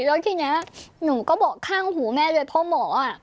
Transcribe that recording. แล้วทีนี้หนูก็บอกข้างหูแม่เลยเพราะหมออ่ะ